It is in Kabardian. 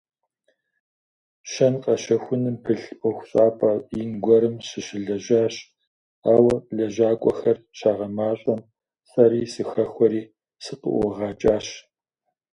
Щэн-къэщэхуным пылъ ӏуэхущӏапӏэ ин гуэрым сыщылэжьащ, ауэ, лэжьакӀуэхэр щагъэмащӀэм, сэри сыхэхуэри, сыкъыӀуагъэкӀащ.